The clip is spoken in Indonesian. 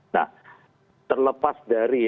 nah terlepas dari